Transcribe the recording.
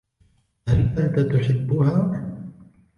هل أنت تحبها ؟